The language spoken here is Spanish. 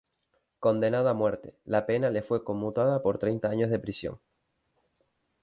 Condenado a muerte, la pena le fue conmutada por treinta años de prisión.